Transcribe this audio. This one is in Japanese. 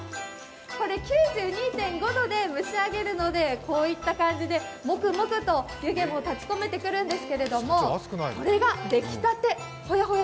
９２．５度で蒸し上げるので、こういった感じでもくもくと湯気も立ち込めてくるんですけれども、これが出来たてほやほや。